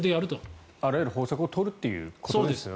あらゆる方策を取るということですよね。